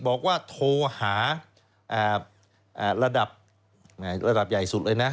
บอกว่าโทหาระดับใหญ่สุดเลยนะ